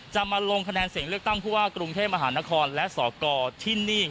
จะมาลงคะแนนเสียงเลือกตั้งผู้ว่ากรุงเทพมหานครและสกที่นี่